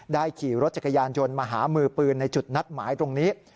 ขี่รถจักรยานยนต์มาหามือปืนในจุดนัดหมายตรงนี้